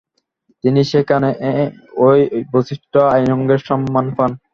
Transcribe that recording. তিনি সেখানে এই বিশিষ্ট আইনজ্ঞের সম্মান পান।